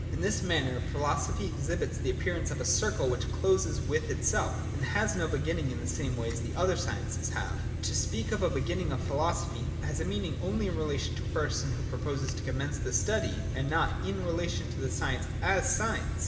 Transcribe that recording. In this manner philosophy ex hibits the appearance of a circle which closes with itself, and has no beginning in the same way as the other sciences have. To speak of a beginning of philo sophy has a meaning only in relation to a person who proposes to commence the study, and not in relation to the science as science.